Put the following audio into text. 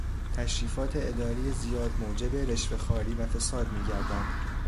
تشریفات اداری زیاد موجب رشوهخواری و فساد میگردد.